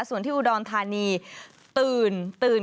ส่วนที่อุดรธานีตื่นตื่น